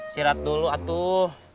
sirat dulu atuh